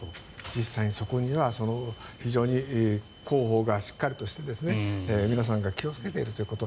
実際に、そこには実際に広報がしっかりして皆さんが気をつけているということ。